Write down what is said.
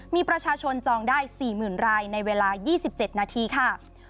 มีประชาชนจองได้สี่หมื่นรายในเวลายี่สิบเจ็ดนาทีค่ะ